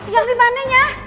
yang di mana nya